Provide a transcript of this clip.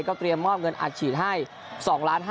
ก็เตรียมมอบเงินอาจฉีดให้๒๕๐๐๐๐๐บาท